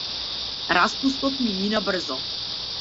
Распустот ми мина брзо.